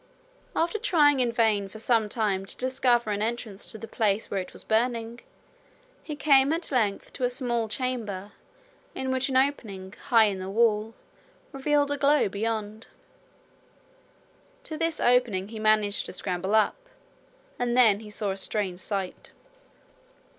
After trying in vain for some time to discover an entrance to the place where it was burning, he came at length to a small chamber in which an opening, high in the wall, revealed a glow beyond. To this opening he managed to scramble up, and then he saw a strange sight.